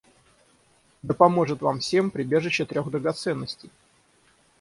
Да поможет вам всем прибежище трех драгоценностей!